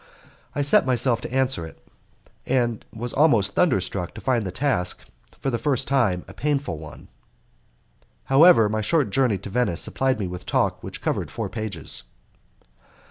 I set myself to answer it, and was almost thunderstruck to find the task, for the first time, a painful one. However, my short journey to Venice supplied me with talk which covered four pages.